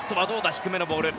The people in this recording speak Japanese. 低めのボール。